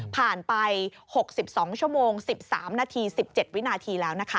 ผ่านไป๖๒ชั่วโมง๑๓นาที๑๗วินาทีแล้วนะคะ